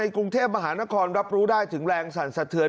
กรุงเทพมหานครรับรู้ได้ถึงแรงสั่นสะเทือน